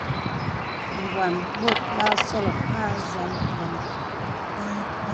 Mbwàn bòt basɔlɔ̀m a nzàl vənə.